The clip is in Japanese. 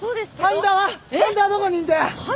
半田はどこにいんだよ！